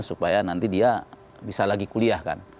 supaya nanti dia bisa lagi kuliahkan